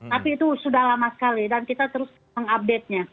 tapi itu sudah lama sekali dan kita terus mengupdate nya